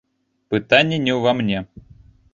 Пытанне не ўва мне.